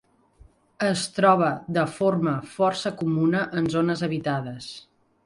Es troba de forma força comuna en zones habitades.